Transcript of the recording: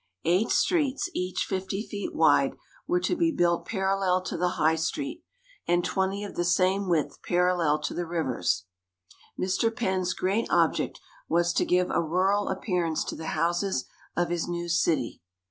Eight streets, each fifty feet wide, were to be built parallel to the High Street, and twenty of the same width parallel to the rivers. Mr Penn's great object was to give a rural appearance to the houses of his new city.